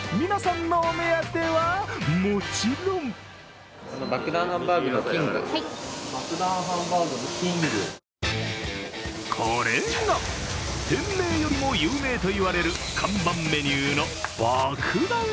皆さんのお目当てはもちろんこれが店名よりも有名といわれる看板メニューの爆弾